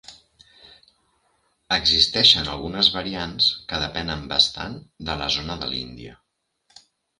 Existeixen algunes variants que depenen bastant de la zona de l'Índia.